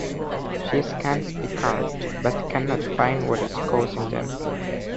She scans Picard, but can not find what is causing them.